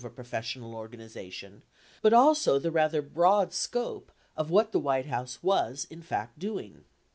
1201 professional organization, but also the rather broad scope of what the White House was in fact doing.